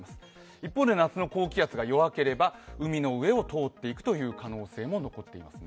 一方で夏の高気圧が弱ければ海の上を通っていくという可能性も残っていますね。